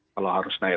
kalau harus naik